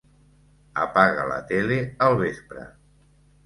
Apaga la tele al vespre.